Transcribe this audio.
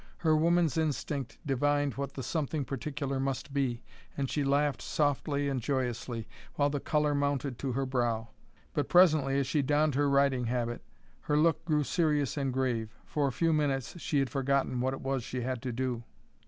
Her woman's instinct divined what the "something particular" must be, and she laughed softly and joyously, while the color mounted to her brow. But presently, as she donned her riding habit, her look grew serious and grave. For a few minutes she had forgotten what it was she had to do.